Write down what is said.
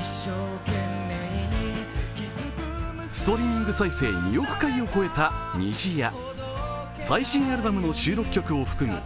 ストリーミング再生２億回を超えた「虹」や最新アルバムの収録曲を含む